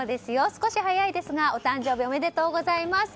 少し早いですがお誕生日おめでとうございます。